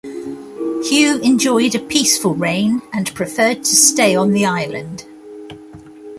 Hugh enjoyed a peaceful reign, and preferred to stay on the island.